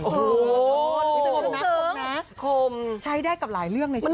โอ้โหคมนะคมนะใช้ได้กับหลายเรื่องในชีวิต